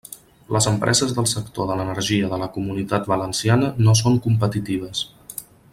Les empreses del sector de l'energia de la Comunitat Valenciana no són competitives.